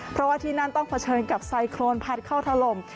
เพราะว่าที่นั่นต้องเผชิญกับไซโครนพัดเข้าถล่ม